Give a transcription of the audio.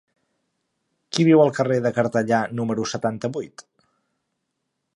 Qui viu al carrer de Cartellà número setanta-vuit?